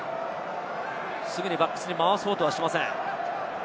すぐにバックスに回そうとはしません。